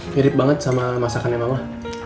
mirip banget sama masakannya mama